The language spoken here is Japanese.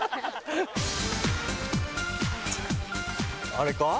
あれか？